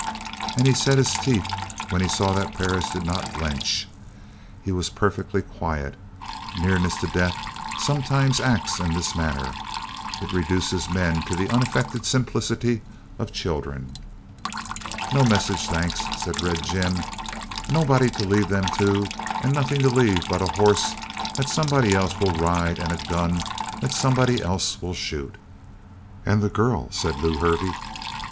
And he set his teeth when he saw that Perris did not blench. He was perfectly quiet. Nearness to death sometimes acts in this manner. It reduces men to the unaffected simplicity of children. "No message, thanks," said Red Jim. "Nobody to leave them to and nothing to leave but a hoss that somebody else will ride and a gun that somebody else will shoot." "And the girl?" said Lew Hervey.